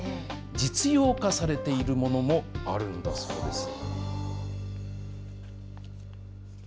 実用化されているものもあるんだそうです。